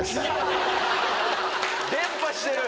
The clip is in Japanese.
伝播してる！